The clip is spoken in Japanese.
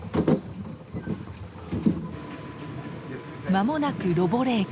間もなくロボレ駅。